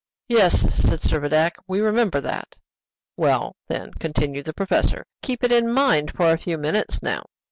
'" "Yes," said Servadac; "we remember that." "Well, then," continued the professor, "keep it in mind for a few minutes now.